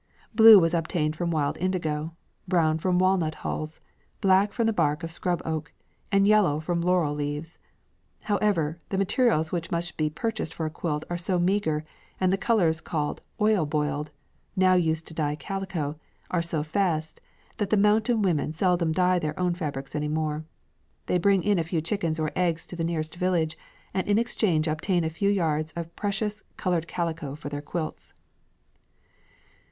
Blue was obtained from wild indigo; brown from walnut hulls; black from the bark of scrub oak; and yellow from laurel leaves. However, the materials which must be purchased for a quilt are so meagre, and the colours called "oil boiled" now used to dye calico are so fast, that the mountain women seldom dye their own fabrics any more. They bring in a few chickens or eggs to the nearest village, and in exchange obtain a few yards of precious coloured calico for their quilts.